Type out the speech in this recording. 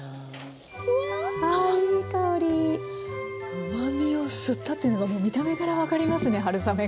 うまみを吸ったっていうのがもう見た目から分かりますね春雨が。